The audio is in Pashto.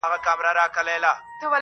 ښار کرار کړي له دې هري شپې یرغله!.